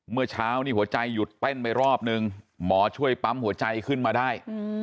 เมื่อเช้านี่หัวใจหยุดเต้นไปรอบนึงหมอช่วยปั๊มหัวใจขึ้นมาได้